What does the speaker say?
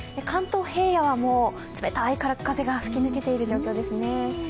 関東平野は冷たい空っ風が吹き抜けている状況ですね。